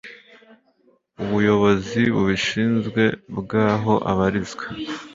ubuyobozi bubishinzwe bw'aho abarizwa